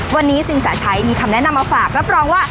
วันนี้สินแสชัยมีคำแนะนำมาฝากรับรองว่า